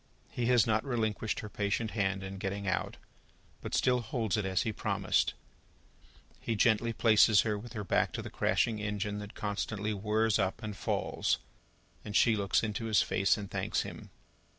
He has not relinquished her patient hand in getting out, but still holds it as he promised. He gently places her with her back to the crashing engine that constantly whirrs up and falls, and she looks into his face and thanks him.